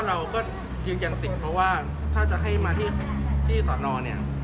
ก็เราก็จริงจังสิเพราะว่าถ้าจะให้มาที่สนเนี่ย